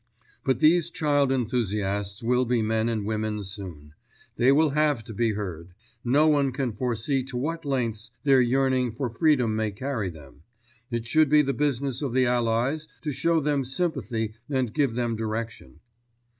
But these child enthusiasts will be men and women soon. They will have to be heard. No one can foresee to what lengths their yearning for freedom may carry them. It should be the business of the Allies to show them sympathy and give them direction.